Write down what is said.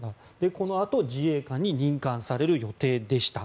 このあと自衛官に任官される予定でした。